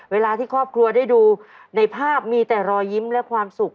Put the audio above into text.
เวลาที่ครอบครัวได้ดูในภาพมีแต่รอยยิ้มและความสุข